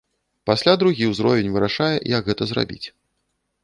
Пасля другі ўзровень вырашае, як гэта зрабіць.